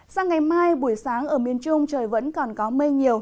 sang ngày mai buổi sáng ở miền trung trời vẫn còn có mây nhiều